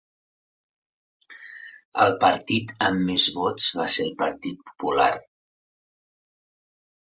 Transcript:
El partit amb més vots va ser el Partit popular.